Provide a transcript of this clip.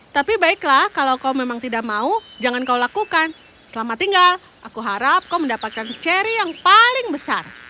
tapi baiklah kalau kau memang tidak mau jangan kau lakukan selamat tinggal aku harap kau mendapatkan cherry yang paling besar